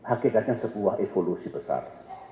akhirnya sebuah evolusi besar